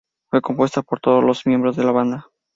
Fue compuesta por todos los miembros de la banda.